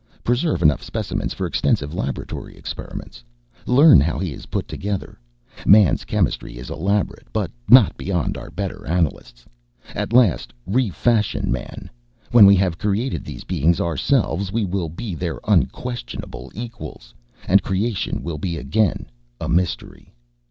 Preserve enough specimens for extensive laboratory experiments. Learn how he is put together. Man's chemistry is elaborate but not beyond our better Analysts. At last, refashion man. When we have created these beings ourselves, we will be their unquestionable equals. And creation will be again a mystery.